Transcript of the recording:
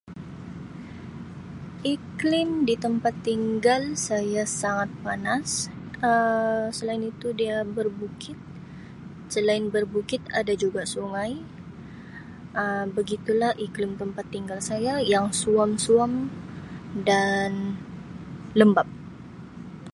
Iklim di tempat tinggal saya sangat panas Um selain itu dia berbukit, selain berbukit ada juga sungai Um begitulah iklim tempat tinggal saya yang suam-suam dan lembap.